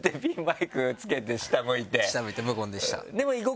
下向いて無言でした。